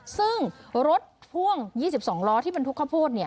ซึ่งรถพ่วง๒๒ล้อที่บันทุกข้าวโพช